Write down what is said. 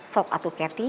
sok atu keti